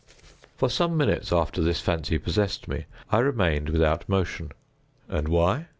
For some minutes after this fancy possessed me, I remained without motion. And why?